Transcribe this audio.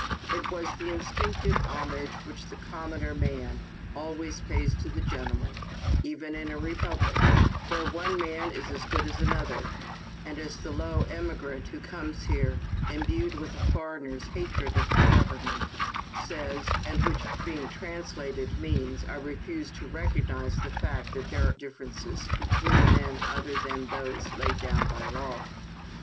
It was the instinctive homage which the commoYier man always pays to the gentleman, even in a republic, where "one man is as good as another," as the low emigrant who comes here, imbued with a foreigner's hatred of "the government," says, and which, being translated, means: " I refuse 10 ALICE ; OR, THE WAGES OF SIN. to recognize the fact that there are differences between men other than those laid down by law."